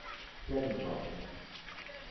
Let me talk to him.